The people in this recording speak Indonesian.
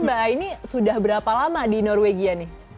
mbak aini sudah berapa lama di norwegia nih